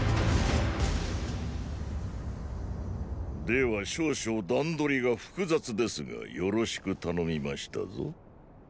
では少々段取りが複雑ですがよろしく頼みましたぞ。